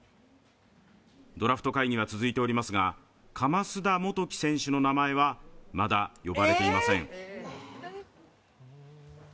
ドラフト会議は続いておりますが、叺田本気選手の名前はまだ呼ばれていません。